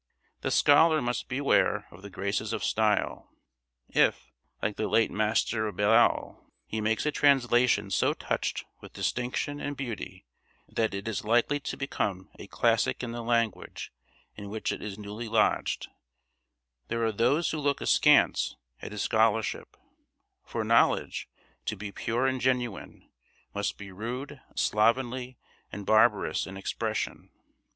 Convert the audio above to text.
The scholar must beware of the graces of style; if, like the late Master of Balliol, he makes a translation so touched with distinction and beauty that it is likely to become a classic in the language in which it is newly lodged, there are those who look askance at his scholarship; for knowledge, to be pure and genuine, must be rude, slovenly, and barbarous in expression.